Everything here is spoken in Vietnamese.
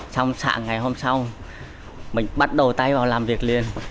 xong xạ ngày hôm sau mình bắt đầu tay vào làm việc liền